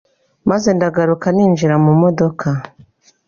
maze ndagaruka ninjira mu modoka